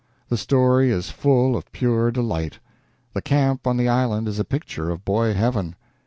The story is full of pure delight. The camp on the island is a picture of boy heaven.